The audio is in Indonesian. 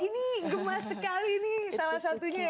ini gemas sekali nih salah satunya ya